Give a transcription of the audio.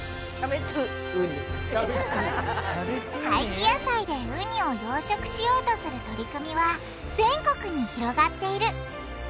廃棄野菜でウニを養殖しようとする取り組みは全国に広がっている。